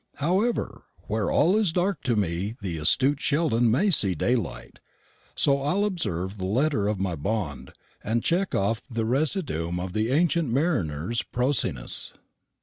However, where all is dark to me the astute Sheldon may see daylight, so I'll observe the letter of my bond, and check off the residuum of the ancient mariner's prosiness.